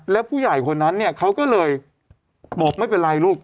แล้วผู้ใหญ่คนนั้นเนี่ยเขาก็เลยบอกไม่เป็นไรลูก